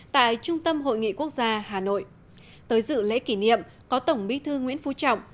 tại trung tâm hội nghị quốc gia hà nội tới dự lễ kỷ niệm có tổng bí thư nguyễn phú trọng